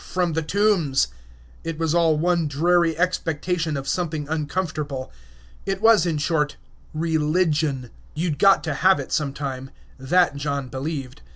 from the tombs." It was all one dreary expectation of something uncomfortable. It was, in short, "religion." You'd got to have it some time; that John believed.